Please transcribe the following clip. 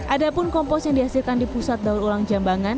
ada pun kompos yang dihasilkan di pusat daur ulang jambangan